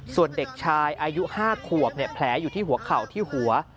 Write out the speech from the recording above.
ส่วนเด็กชายอายุ๕ขวบแผลอยู่ที่หัวเข่าที่หัว